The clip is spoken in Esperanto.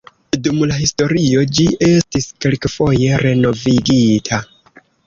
Dum la historio ĝi estis kelkfoje renovigita.